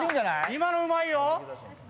今のうまいよ！